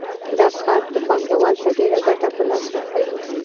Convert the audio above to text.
دا کار پانګوال ته ډېره ګټه په لاس ورکوي